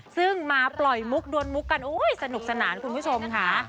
ซึ่งมาปล่อยมุกดวนมุกกันโอ้ยสนุกสนานคุณผู้ชมค่ะ